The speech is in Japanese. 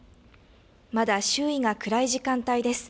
まだ周囲が暗い時間帯です。